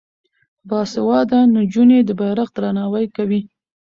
باسواده نجونې د بیرغ درناوی کوي.